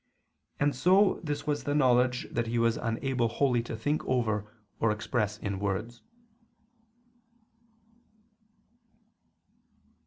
And so this was the knowledge that he was unable wholly to think over or express in words.